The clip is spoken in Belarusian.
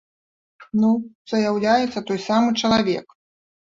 Ну, заяўляецца той самы чалавек.